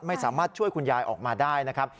ไม่สามารถช่วยคุณยายออกมาได้นะครับ